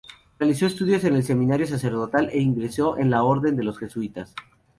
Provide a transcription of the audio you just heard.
Realizó estudios en el seminario sacerdotal e ingresó en la orden de los jesuitas.